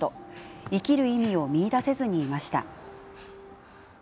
生きる意味を見いだせずにいました。